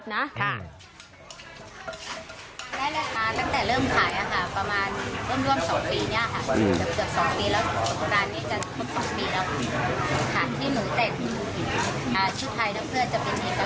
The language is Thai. เพราะว่าพวกมีลูกค้าที่หมูเต็ดชุดไทยแล้วเพื่อจะเป็นเอกลักษณ์